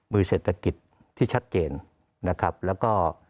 เศรษฐกิจที่ชัดเจนนะครับแล้วก็